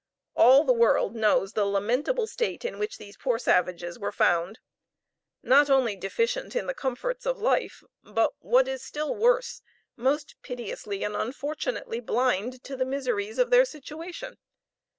All the world knows the lamentable state in which these poor savages were found. Not only deficient in the comforts of life, but, what is still worse, most piteously and unfortunately blind to the miseries of their situation.